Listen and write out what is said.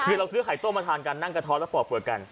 คือเราซื้อไข่ต้มมาทานกันนั่งกระท้อนแล้วปอกเปลือกกัน